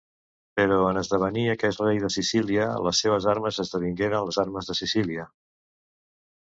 Però en esdevenir aquest rei de Sicília, les seves armes esdevingueren les armes de Sicília.